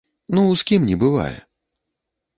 Ну, з кім не бывае.